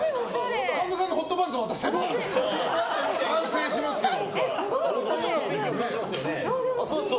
神田さんのホットパンツを合わせれば完成しますけど。